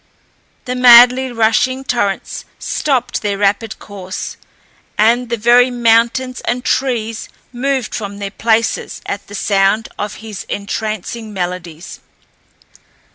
The madly rushing torrents stopped their rapid course, and the very mountains and trees moved from their places at the sound of his entrancing melodies.